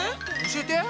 教えて！